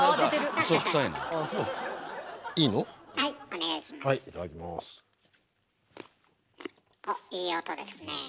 おっいい音ですねえ。